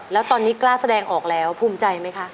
แล้วตอนนี้กล้าแสดงออกแล้วภูมิใจไหมคะ